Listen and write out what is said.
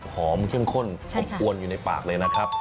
เข้มข้นอบอวนอยู่ในปากเลยนะครับ